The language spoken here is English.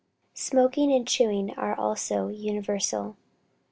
Smoking and chewing are also universal.